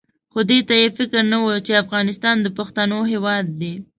خو دې ته یې فکر نه وو چې افغانستان د پښتنو هېواد دی.